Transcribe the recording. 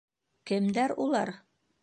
Кемдәр улар?